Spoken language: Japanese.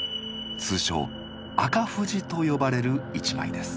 通称「赤富士」と呼ばれる一枚です。